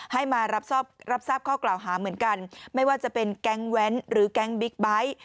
ให้มารับทราบข้อกล่าวหาเหมือนกันไม่ว่าจะเป็นแก๊งแว้นหรือแก๊งบิ๊กไบท์